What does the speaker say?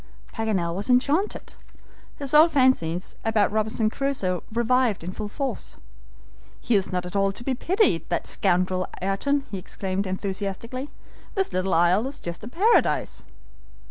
Paganel was enchanted. His old fancies about Robinson Crusoe revived in full force. "He is not at all to be pitied, that scoundrel, Ayrton!" he exclaimed, enthusiastically. "This little isle is just a paradise!"